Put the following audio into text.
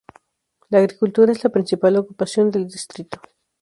La agricultura es la principal ocupación del distrito.